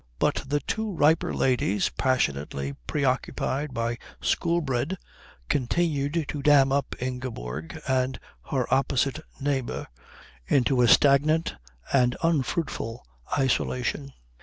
But the two riper ladies, passionately preoccupied by Shoolbred, continued to dam up Ingeborg and her opposite neighbour into a stagnant and unfruitful isolation.